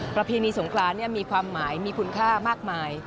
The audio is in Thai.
ประเพณีสงครานมีความหมายมีคุณค่ามากมาย